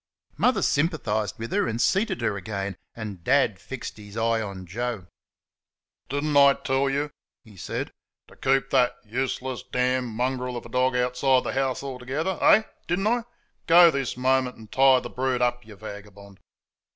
Mother sympathised with her and seated her again, and Dad fixed his eye on Joe. "Did n't I tell you," he said, "to keep that useless damned mongrel of a dog outside the house altogether eh? did n't I? Go this moment and tie the brute up, you vagabond!"